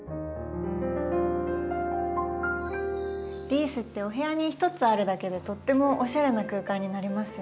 リースってお部屋に一つあるだけでとってもおしゃれな空間になりますよね。